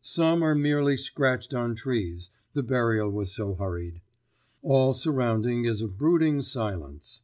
Some are merely scratched on trees, the burial was so hurried. All surrounding is a brooding silence.